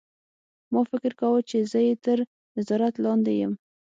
ما فکر کاوه چې زه یې تر نظارت لاندې یم